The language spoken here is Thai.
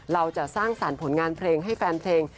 เราจะสร้างสรรค์ผลงานเพลงให้แฟนเพลง